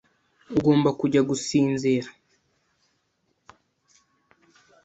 Ugomba kujya gusinzira.